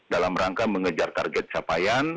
dalam rangka mengejar target capaian